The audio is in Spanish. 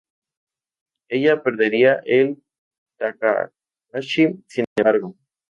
Ella perdería a Takahashi sin embargo.